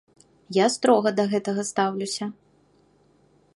Я строга да гэтага стаўлюся.